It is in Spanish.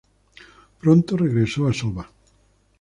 Pronto regresó a Soba.